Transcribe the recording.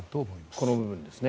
この部分ですね。